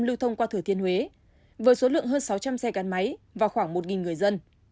lưu thông qua thừa thiên huế với số lượng hơn sáu trăm linh xe gắn máy và khoảng một người dân